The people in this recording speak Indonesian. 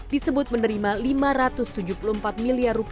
disebut menerima rp lima ratus tujuh puluh empat miliar